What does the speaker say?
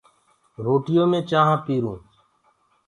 روٽيو مين چآنه پيهرون